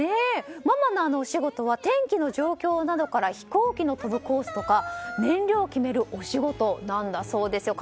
ママのお仕事は天気の状況などから飛行機の飛ぶコースや燃料を決めるお仕事なんだそうですよ。